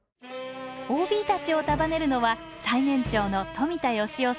ＯＢたちを束ねるのは最年長の富田義男さん